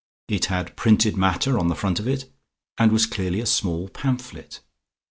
It had printed matter on the front of it, and was clearly a small pamphlet.